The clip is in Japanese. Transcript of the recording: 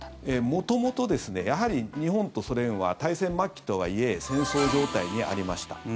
元々、日本とソ連は大戦末期とはいえ戦争状態にありました。